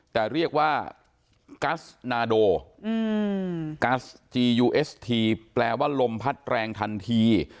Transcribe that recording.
แต่เรียกว่ากัสนาโดกัสจียูเอสทีแปลว่าลมพัดแรงทันที